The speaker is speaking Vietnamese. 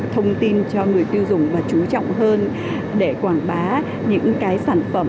thông tin cho người tiêu dùng và chú trọng hơn để quảng bá những cái sản phẩm